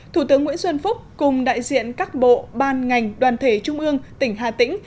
thủ tướng nguyễn xuân phúc cùng đại diện các bộ ban ngành đoàn thể trung ương tỉnh hà tĩnh